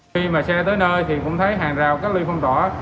khi mà xe tới nơi thì cũng thấy hàng rào các lưu phong tỏa